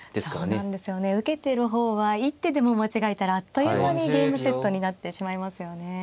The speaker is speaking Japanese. そうなんですよね受けてる方は一手でも間違えたらあっという間にゲームセットになってしまいますよね。